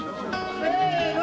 せの！